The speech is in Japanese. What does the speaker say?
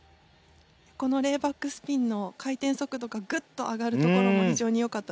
このレイバックスピンの回転速度がグッと上がるところも非常に良かったですね。